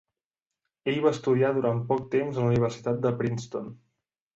Ell va estudiar durant poc temps a la Universitat de Princeton.